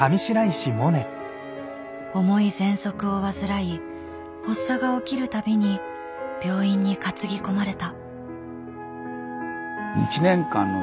重いぜんそくを患い発作が起きる度に病院に担ぎ込まれた。